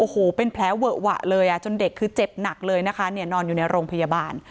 โอ้โหเป็นแผลเวอะหวะเลยอ่ะจนเด็กคือเจ็บหนักเลยนะคะเนี่ยนอนอยู่ในโรงพยาบาล